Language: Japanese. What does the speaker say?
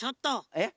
えっ？